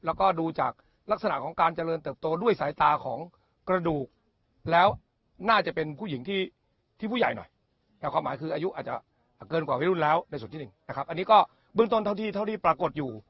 และก็ดูจากลักษณะของการเจริญเติบโตด้วยสายตากระดูกแล้วน่าจะเป็นผู้หญิงที่ผู้ใหญ่หน่อย